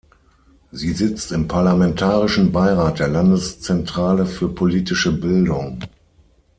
Sie sitzt im parlamentarischen Beirat der Landeszentrale für politische Bildung.